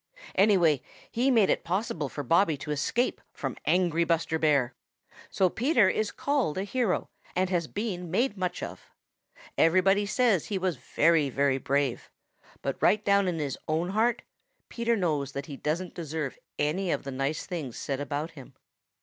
Anyway, he made it possible for Bobby to escape from angry Buster Bear. So Peter is called a hero and has been made much of. Everybody says that he was very, very brave. But right down in his own heart, Peter knows that he doesn't deserve any of the nice things said about him.